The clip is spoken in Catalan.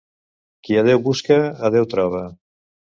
Qui a Déu busca, a Déu troba.